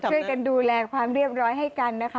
เยี่ยมไปคุยกันดูแลความเรียบร้อยให้กันนะคะ